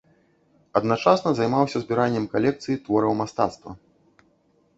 Адначасна займаўся збіраннем калекцыі твораў мастацтва.